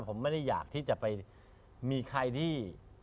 ผมไม่ได้อยากที่จะไปมีใครที่